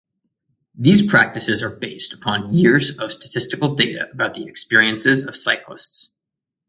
These practices are based upon years of statistical data about the experiences of cyclists.